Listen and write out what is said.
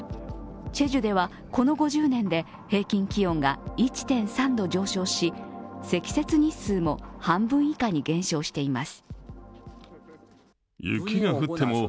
チェジュではこの５０年で平均気温が１．３度上昇し積雪日数も半分以下に減少しています。